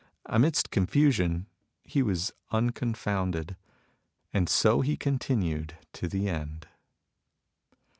Amidst confusion he was uncon founded. And so he continued to the end.